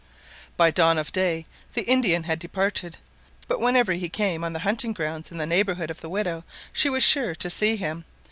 By dawn of day the Indian had departed; but whenever he came on the hunting grounds in the neighbourhood of the widow, she was sure to see him.